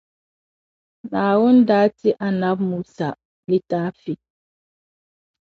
Naawuni daa ti Annabi Musa litaafi